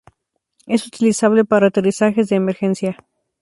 Es utilizable para aterrizajes de emergencia.